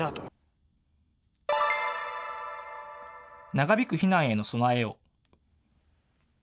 長引く避難への備えを。